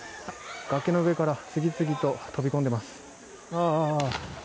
崖の上から次々と飛び込んでいます。